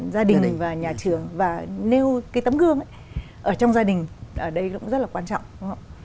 gia đình và nhà trường và nêu cái tấm gương ấy ở trong gia đình ở đây cũng rất là quan trọng đúng không ạ